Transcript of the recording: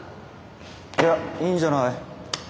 いやいいんじゃない？